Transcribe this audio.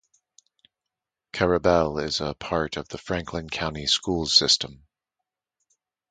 Carrabelle is a part of the Franklin County Schools system.